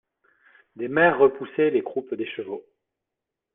Des mères repoussaient les croupes des chevaux.